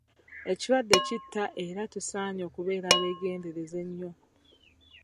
Ekirwadde kitta era tusaanye okubeera abeegendereza ennyo.